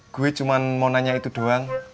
gue cuma mau nanya itu doang